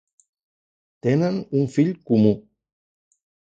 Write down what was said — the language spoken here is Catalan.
Tenen un fill comú.